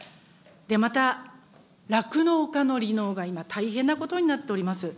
また、酪農家の離農が今、大変なことになっております。